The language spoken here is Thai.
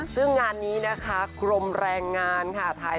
ซึ่งงานนี้ใครมแรงงานทาย